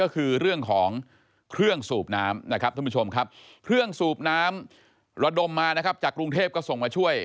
เครื่องสูบน้ำเราดมมานะครับจากกรุงเทพก็ส่งมาช่วย